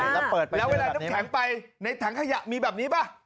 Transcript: แล้วเวลาน้ำแข็งไปในถังขยะมีแบบนี้ป่ะ